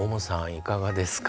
いかがですか？